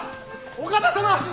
お方様！